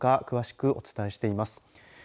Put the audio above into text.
詳しくお伝えしています。